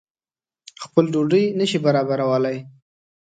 خپل ډوډۍ نه شي برابرولای.